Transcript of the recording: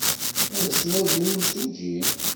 Ad as-nazen i yemsujji?